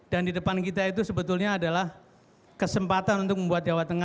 dan di depan kita itu sebetulnya adalah kesempatan untuk membuat jawa tengah